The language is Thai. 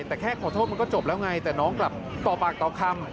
แต่แค่ขอโทษมันก็จบแล้วไงแต่น้องกลับต่อปากต่อคำ